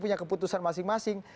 punya keputusan masing masing